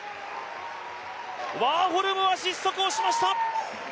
ワーホルムは失速をしました！